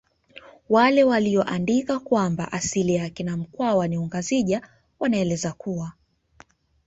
Wale waliyoandika kwamba asili ya akina mkwawa ni ungazija wanaeleza kuwa